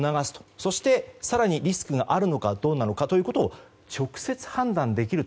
そして、更にリスクがあるのかどうなのかということを直接、判断できると。